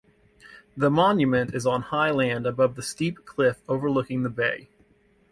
The monument is on high land above the steep cliff overlooking the bay.